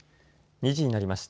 ２時になりました。